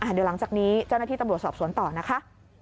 เดี๋ยวหลังจากนี้เจ้าหน้าที่ตำรวจสอบสวนต่อนะคะ